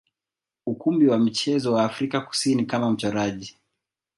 ukumbi wa michezo wa Afrika Kusini kama mchoraji.